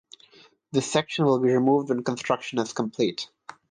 This section will be removed when construction is complete.